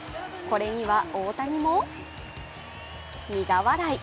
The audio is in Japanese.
これには大谷も苦笑い。